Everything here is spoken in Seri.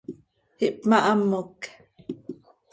Ihpmahamoc.